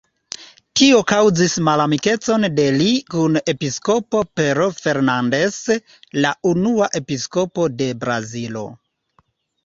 Tio kaŭzis malamikecon de li kun episkopo Pero Fernandes, la unua episkopo de Brazilo.